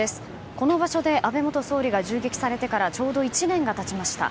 この場所で安倍元総理が銃撃されてからちょうど１年がたちました。